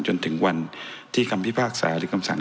ก็คือไปร้องต่อสารปกครองกลาง